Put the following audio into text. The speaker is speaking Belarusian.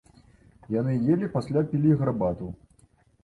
Яны елі, пасля пілі гарбату.